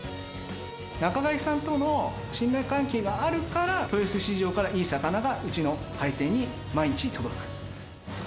仲買さんとの信頼関係があるから、豊洲市場からいい魚がうちの開店に毎日届く。